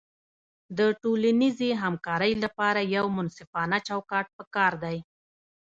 د ټولنیزې همکارۍ لپاره یو منصفانه چوکاټ پکار دی.